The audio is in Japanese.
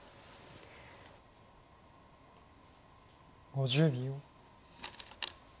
５０秒。